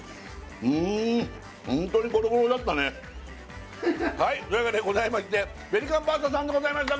ホントにゴロゴロだったねはいというわけでございましてペリカンパスタさんでございました